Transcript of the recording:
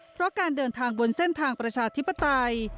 เพราะการเดินทางบนเส้นทางประชาธิปไตย